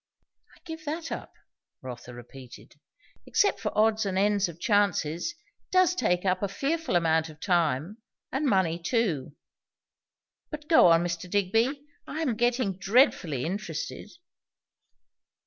"I give that up," Rotha repeated. "Except for odds and ends of chances, it does take a fearful amount of time, and money too. But go on, Mr. Digby; I am getting dreadfully interested."